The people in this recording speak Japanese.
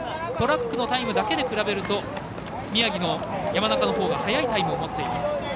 トラックのタイムだけで比べると宮城の山中のほうが速いタイムを持っています。